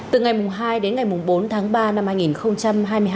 từ ngày hai đến ngày bốn tháng ba năm hai nghìn một mươi chín